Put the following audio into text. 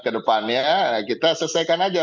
ke depannya kita selesaikan aja